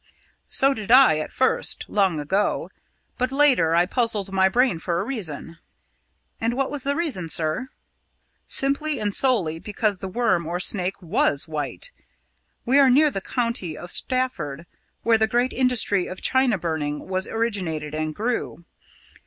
"So did I at first long ago. But later I puzzled my brain for a reason." "And what was the reason, sir?" "Simply and solely because the snake or worm was white. We are near the county of Stafford, where the great industry of china burning was originated and grew.